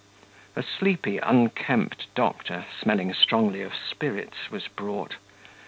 A sleepy, unkempt doctor, smelling strongly of spirits, was brought.